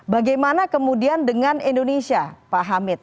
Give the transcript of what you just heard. bagaimana kemudian dengan indonesia pak hamid